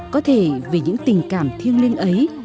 có thể vì những tình cảm thiêng lên ấy